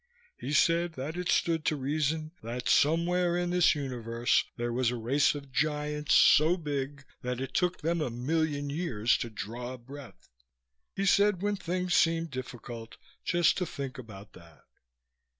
He said that it stood to reason that somewhere in the universe there was a race of giants so big that it took them a million years to draw a breath. He said when things seemed difficult just to think about that."